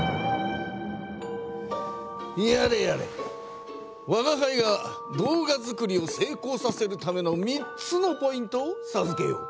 やれやれわがはいが動画作りをせいこうさせるための３つのポイントをさずけよう。